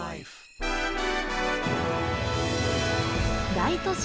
大都市